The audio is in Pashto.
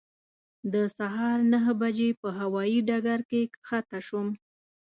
د سهار نهه بجې په هوایي ډګر کې کښته شوم.